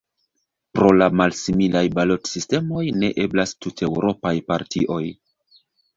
Pro la malsimilaj balotsistemoj, ne eblas tuteŭropaj partioj.